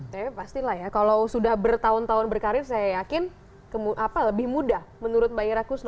tapi pastilah ya kalau sudah bertahun tahun berkarir saya yakin lebih mudah menurut mbak ira kusno